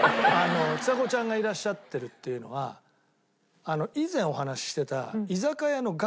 ちさ子ちゃんがいらっしゃってるっていうのは以前お話ししてた居酒屋の楽。